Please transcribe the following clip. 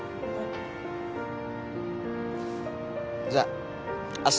じゃあ。